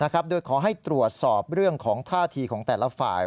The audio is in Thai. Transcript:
โดยขอให้ตรวจสอบเรื่องของท่าทีของแต่ละฝ่าย